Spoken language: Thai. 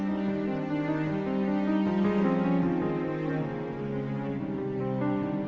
ตอนนี้ผมมีแฟน